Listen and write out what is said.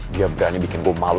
dia berani bikin gue malu